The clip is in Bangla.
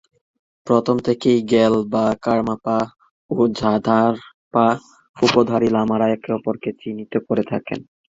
প্রথম থেকেই র্গ্যাল-বা-কার্মা-পা ও ঝ্বা-দ্মার-পা উপাধিধারী লামারা এঁকে অপরকে চিহ্নিত করে থাকেন।